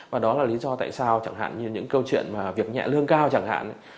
và đó là lý do tại sao chẳng hạn như những câu chuyện mà việc nhẹ lương cao chẳng hạn